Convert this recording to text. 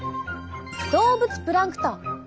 動物プランクトン！